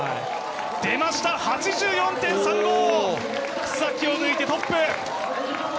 出ました、８４．３５、草木を抜いてトップ。